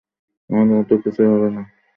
আমাদের মধ্যে কিছুই হবে না।